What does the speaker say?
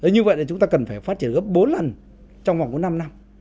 như vậy thì chúng ta cần phải phát triển gấp bốn lần trong vòng năm năm